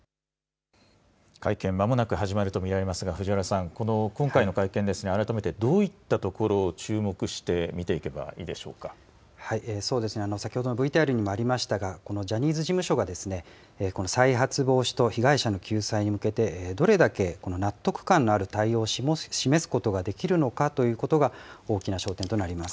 会見、まもなく始まると見られますが、藤原さん、この今回の会見ですが、改めてどういったところを注目して見ていけばいいで先ほどのＶＴＲにもありましたが、このジャニーズ事務所がですね、再発防止と被害者の救済に向けてどれだけ納得感のある対応を示すことができるのかということが、大きな焦点となります。